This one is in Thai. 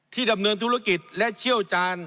ดำเนินธุรกิจและเชี่ยวจาน